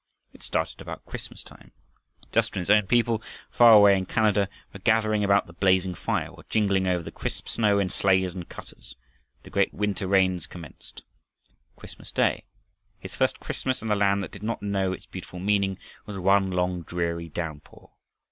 It started about Christmas time. Just when his own people far away in Canada were gathering about the blazing fire or jingling over the crisp snow in sleighs and cutters, the great winter rains commenced. Christmas day his first Christmas in a land that did not know its beautiful meaning was one long dreary downpour.